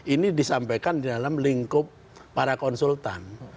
ini disampaikan di dalam lingkup para konsultan